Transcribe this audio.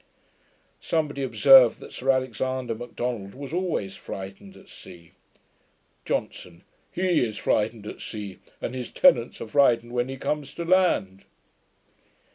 Somebody observed that Sir Alexander Macdonald was always frightened at sea. JOHNSON. 'HE is frightened at sea; and his tenants are frightened when he comes to land.'